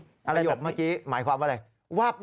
ประโยคเมื่อกี้หมายความว่าอะไร